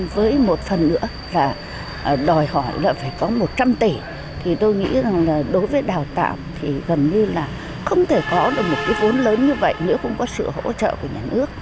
với một phần nữa là đòi hỏi là phải có một trăm linh tỷ thì tôi nghĩ rằng đối với đào tạo thì gần như là không thể có được một cái vốn lớn như vậy nữa cũng có sự hỗ trợ của nhà nước